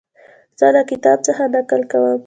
زه له کتاب څخه نقل کوم.